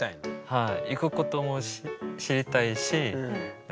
はい。